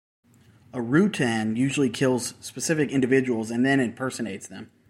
A Rutan usually kills specific individuals and then impersonates them.